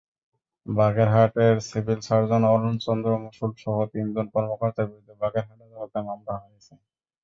বাগেরহাটের civil surgeon Arun Chandra মণ্ডলসহ তিনজন কর্মকর্তার বিরুদ্ধে বাগেরহাট আদালতে মামলা হয়েছে।